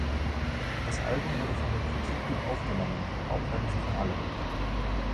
Das Album wurde von der Kritik gut aufgenommen, auch wenn nicht von allen.